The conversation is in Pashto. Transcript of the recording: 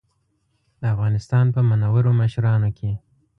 د افغانستان په منورو مشرانو کې.